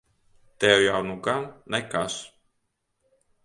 Tev jau nu gan nekas!